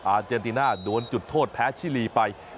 เจนติน่าโดนจุดโทษแพ้ชิลีไป